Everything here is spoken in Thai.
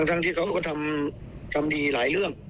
ทั้งที่เขาก็ทำดีหลายเรื่อง